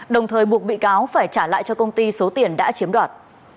đồng thời buộc bị cáo phải trả lại cho công ty số tiền đã chiếm đoạt